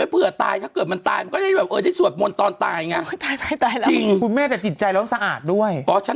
เอาจริงก็มันไม่เคยเครื่องบิน